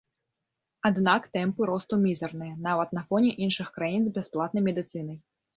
Аднак тэмпы росту мізэрныя нават на фоне іншых краін з бясплатнай медыцынай.